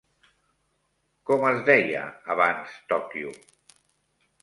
Com es deia abans Tòquio?